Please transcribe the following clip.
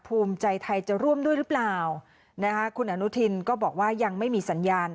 ภูมิใจไทยจะร่วมด้วยหรือเปล่านะคะคุณอนุทินก็บอกว่ายังไม่มีสัญญาณ